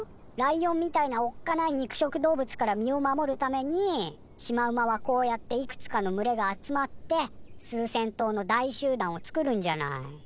ライオンみたいなおっかない肉食動物から身を守るためにシマウマはこうやっていくつかの群れが集まって数千頭の大集団を作るんじゃない。